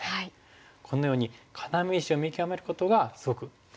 このように要石を見極めることがすごく大事で。